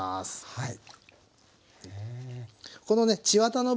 はい。